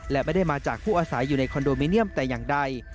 และไม่ได้มาจากผู้อาศัยอยู่ในคอนโดมิเนียมแต่อย่างใด